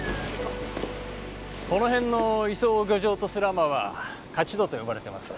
この辺の磯を漁場とする海女は徒人と呼ばれてます。